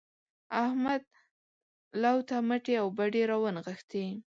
احمد لو ته مټې او بډې راونغښتې.